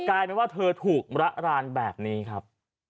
กลายเป็นว่าเธอถูกระรานแบบนี้ครับ